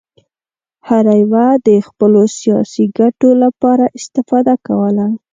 هر یوه د خپلو سیاسي ګټو لپاره استفاده کوله.